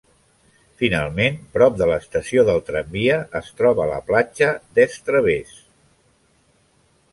Finalment, prop de l'estació del tramvia es troba la platja Des Través.